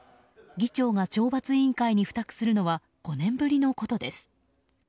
議長が懲罰委員会に付託するのは５年ぶりのことです。